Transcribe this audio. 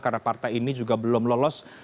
karena partai ini juga belum lolos